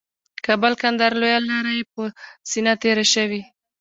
کابل قندهار لویه لاره یې په سینه تېره شوې